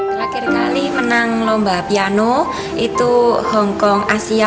terakhir kali menang lomba piano itu hong kong asia